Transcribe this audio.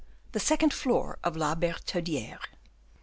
The Second Floor of la Bertaudiere.